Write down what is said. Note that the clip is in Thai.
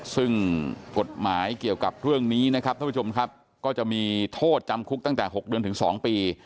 ซึ่งกฎหมายเกี่ยวกับเรื่องนี้นะครับท่านผู้ชมครับก็จะมีโทษจำคุกตั้งแต่๖เดือนถึง๒ปี